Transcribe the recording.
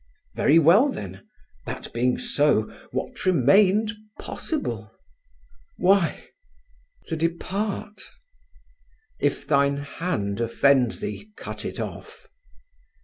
Very well, then, that being so, what remained possible? Why, to depart. "If thine hand offend thee, cut it off."